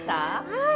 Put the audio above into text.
はい。